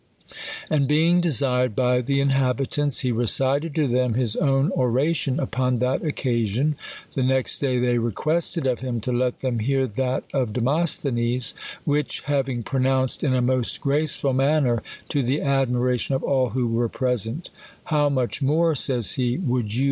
And being desired by the inhab itants, he recited to them his own oration upon that occasion ; the next day they requested of him to let them hear that of Demosthenes ; which, having pronounced in a most graceful manner, to the admiration of all who were present, '* How much more (says he) would you bav.